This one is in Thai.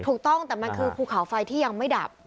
ถูกต้องแต่มันคือภูเขาไฟที่ยังไม่ดับ